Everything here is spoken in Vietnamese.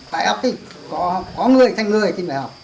phải học đi có người thành người thì phải học